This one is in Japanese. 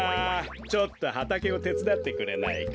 ちょっとはたけをてつだってくれないか？